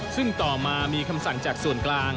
ซึ่งต่อมามีคำสั่งจากส่วนกลาง